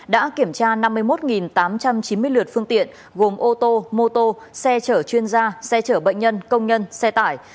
đã kiểm tra năm mươi một tám trăm chín mươi lượt phương tiện gồm ô tô mô tô xe chở chuyên gia xe chở bệnh nhân công nhân xe tải